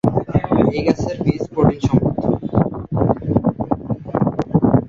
এই গাছের বীজ প্রোটিন সমৃদ্ধ।